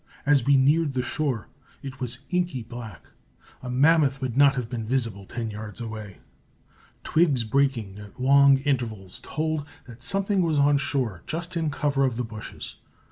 As we neared the shore, it was inky black a mammoth would not have been visible ten yards away. Twigs breaking at long intervals told that something was on shore just in cover of the bushes.